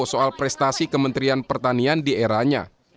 soal prestasi kementerian pertanian di eranya